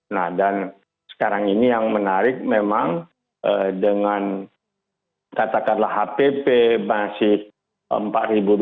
nah dan sekarang ini yang menarik memang dengan katakanlah hpp masih rp empat dua ratus